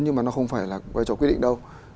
nhưng mà nó không phải là vai trò quyết định đâu